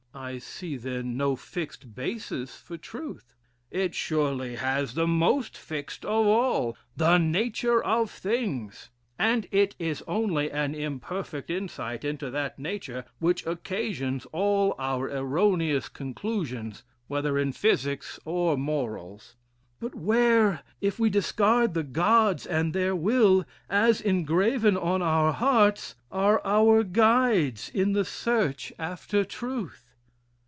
"I see, then, no fixed basis for truth." "It surely has the most fixed of all the nature of things. And it is only an imperfect insight into that nature which occasions all our erroneous conclusions, whether in physics or morals." "But where, if we discard the Gods and their will, as engraven on our hearts, are our guides in the search after truth?"